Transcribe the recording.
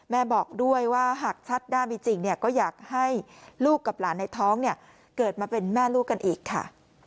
แม่บอกด้วยว่าหากชัดหน้ามีจริงก็อยากให้ลูกกับหลานในท้องเกิดมาเป็นแม่ลูกกันอีกค่ะ